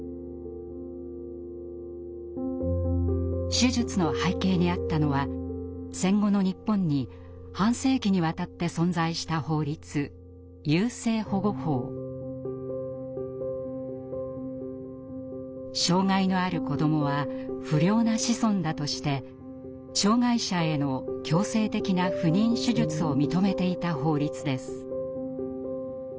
手術の背景にあったのは戦後の日本に半世紀にわたって存在した法律障害のある子どもは「不良な子孫」だとして障害者への強制的な不妊手術を認めていた法律です。